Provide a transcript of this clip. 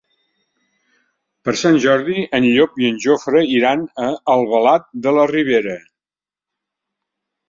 Per Sant Jordi en Llop i en Jofre iran a Albalat de la Ribera.